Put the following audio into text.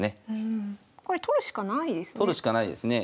これ取るしかないですね？